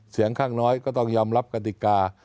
เสียงข้างน้อยก็ต้องยอมรับกติกา